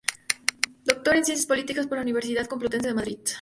Doctor en Ciencias Políticas por la Universidad Complutense de Madrid.